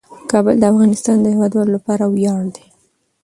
کابل د افغانستان د هیوادوالو لپاره ویاړ دی.